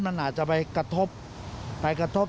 มันอาจจะไปกระทบ